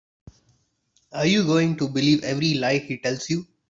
Are you going to believe every lie he tells you?